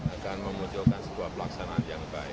akan memunculkan sebuah pelaksanaan yang baik